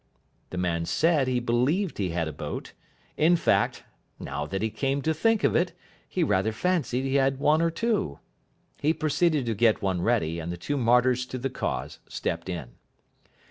The man said he believed he had a boat. In fact, now that he came to think of it, he rather fancied he had one or two. He proceeded to get one ready, and the two martyrs to the cause stepped in.